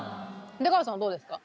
出川さんはどうですか？